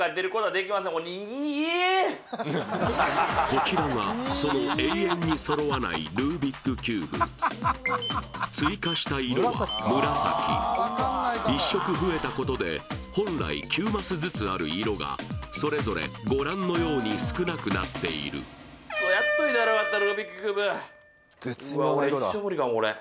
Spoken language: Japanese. こちらがその追加した色は紫１色増えたことで本来９マスずつある色がそれぞれご覧のように少なくなっているクソッやっといたらよかった